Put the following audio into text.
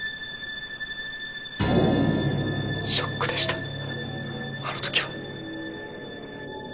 ショックでしたあの時は。